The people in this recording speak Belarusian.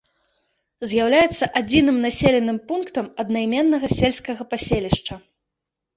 З'яўляецца адзіным населеным пунктам аднайменнага сельскага паселішча.